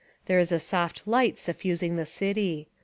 There is a soft light suffusing the city.